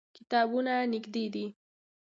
کتابتون نږدې دی